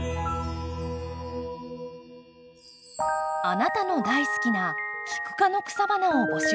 あなたの大好きなキク科の草花を募集します。